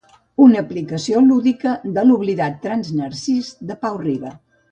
Una aplicació lúdica de l'oblidat "Transnarcís" de Pau Riba.